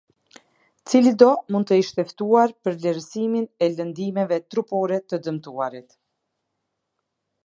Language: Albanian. Cilido mund të ishte ftuar për vlerësimin e lëndimeve trupore të dëmtuarit.